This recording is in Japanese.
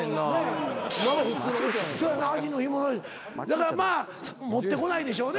だからまあ持ってこないでしょう